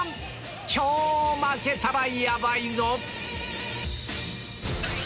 今日負けたらヤバいぞ！